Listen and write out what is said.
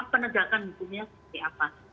penerjakan dunia seperti apa